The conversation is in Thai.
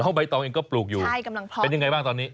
น้องใบตองเองก็ปลูกอยู่เป็นยังไงบ้างตอนนี้